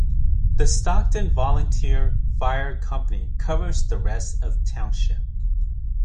The Stockton Volunteer Fire Company covers the rest of the township.